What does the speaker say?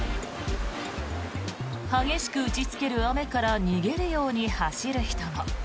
激しく打ちつける雨から逃げるように走る人も。